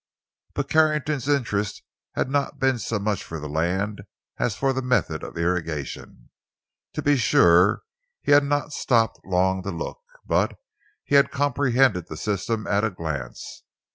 But Carrington's interest had not been so much for the land as for the method of irrigation. To be sure, he had not stopped long to look, but he had comprehended the system at a glance.